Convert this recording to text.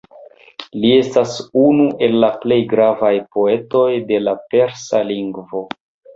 Li estas unu el la plej gravaj poetoj de la persa lingvo.